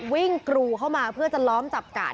กรูเข้ามาเพื่อจะล้อมจับกาด